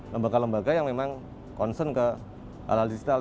lembaga lembaga yang memang concern ke alal digital